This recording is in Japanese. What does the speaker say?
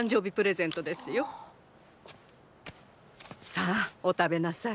さあお食べなさい。